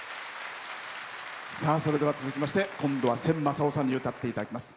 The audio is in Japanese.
それでは続きまして今度は千昌夫さんに歌っていただきます。